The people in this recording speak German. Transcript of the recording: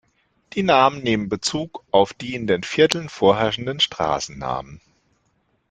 Die Namen nehmen Bezug auf die in den Vierteln vorherrschenden Straßennamen.